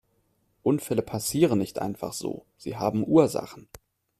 Unfälle passieren nicht einfach so, sie haben Ursachen.